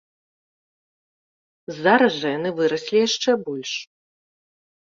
Зараз жа яны выраслі яшчэ больш.